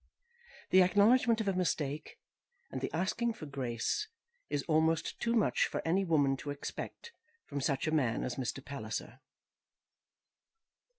The acknowledgement of a mistake and the asking for grace is almost too much for any woman to expect from such a man as Mr. Palliser.